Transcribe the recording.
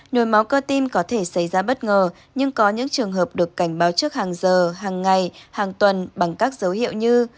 nồi máu cơ tim có thể xảy ra bất ngờ nhưng có những trường hợp được cảnh báo trước hàng giờ hàng ngày hàng tuần bằng các dấu hiệu như